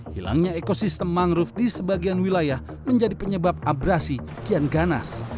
hilangnya ekosistem mangrove di sebagian wilayah menjadi penyebab abrasi kian ganas